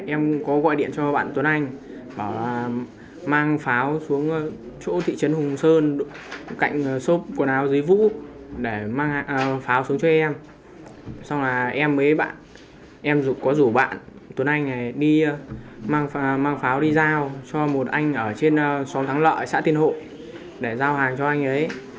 em có rủ bạn tuấn anh đi mang pháo đi giao cho một anh ở trên xóm thắng lợi xã tiên hộ để giao hàng cho anh ấy